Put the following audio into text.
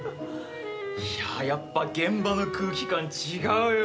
いややっぱ現場の空気感違うよ！